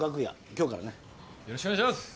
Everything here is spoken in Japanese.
今日からねよろしくお願いします